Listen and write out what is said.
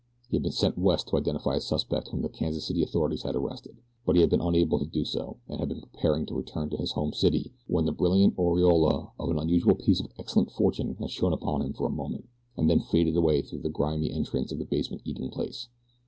He had been sent west to identify a suspect whom the Kansas City authorities had arrested; but had been unable to do so, and had been preparing to return to his home city when the brilliant aureola of an unusual piece of excellent fortune had shone upon him for a moment, and then faded away through the grimy entrance of a basement eating place.